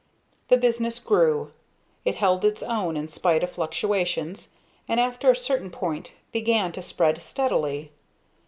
The business grew. It held its own in spite of fluctuations, and after a certain point began to spread steadily.